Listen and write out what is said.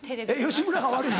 吉村が悪いの？